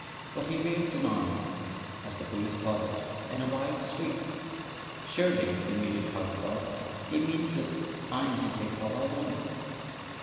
But he waved an arm (as the breeze caught it) in a wide sweep. "Surely," the Muley Cow thought, "he means that I'm to take all I want."